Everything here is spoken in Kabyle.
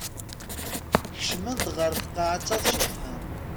Kecmen-d ɣer tqaɛett ad ceḍḥen.